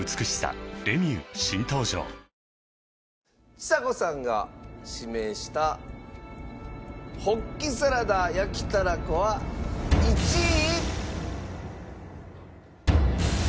ちさ子さんが指名したホッキサラダ焼きたらこは１位。